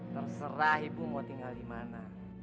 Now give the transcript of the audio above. terserah ibu mau tinggal di mana